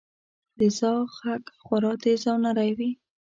• د زاغ ږغ خورا تیز او نری وي.